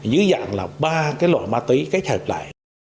dưới dạng là ba cái loại ma túy kết hợp lại